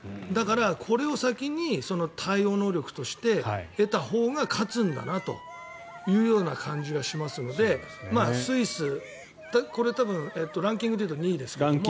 だから、これを先に対応能力として得たほうが勝つんだなというような感じがしますのでスイス、これ多分ランキングでいうと２位ですが。